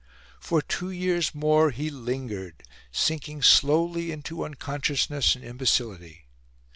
For two years more he lingered, sinking slowly into unconsciousness and imbecility.